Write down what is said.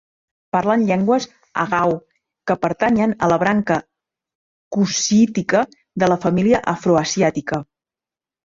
Parlen llengües agaw, que pertanyen a la branca cushítica de la família afroasiàtica.